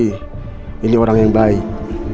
mereka adalah orang yang baik